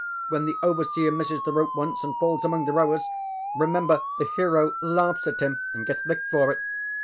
When the overseer misses the rope once and falls among the rowers, remember the hero laughs at him and gets licked for it.